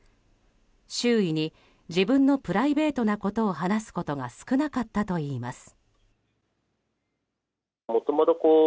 周囲に自分のプライベートなことを話すことが少なかったといいます。